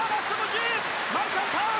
マルシャン、ターン。